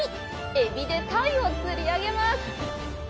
エビで鯛を釣り上げます！